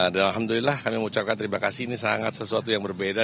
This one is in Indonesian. dan alhamdulillah kami mengucapkan terima kasih ini sangat sesuatu yang berbeda